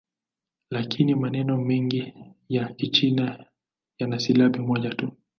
Lakini maneno mengi ya Kichina yana silabi moja tu.